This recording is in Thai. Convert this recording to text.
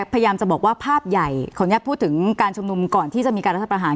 พยายามจะบอกว่าภาพใหญ่ขออนุญาตพูดถึงการชุมนุมก่อนที่จะมีการรัฐประหาร